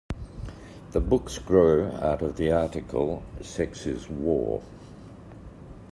The books grew out of the article Sex Is War!